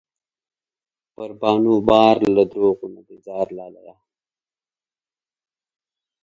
پر بهانو بار له دروغو نه دې ځار لالیه